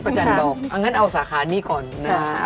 ป้าจันบอกอันนั้นเอาสาขานี่ก่อนนะ